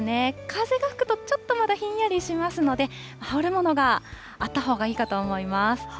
風が吹くとちょっとまだひんやりしますので、羽織るものがあったほうがいいかと思います。